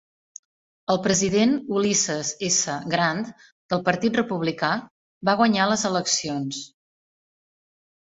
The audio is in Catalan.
El president Ulysses S. Grant, del partit republicà, va guanyar les eleccions.